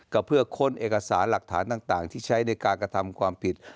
ก็เพื่อค้นเอกสารหลักฐานต่างที่ใช้ในการกระทำความผิด